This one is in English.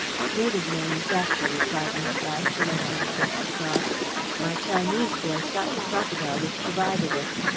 "Native manufacture," replied Musard, selecting a fresh cigar. "My Chinese boy shot the crocodile which provided it.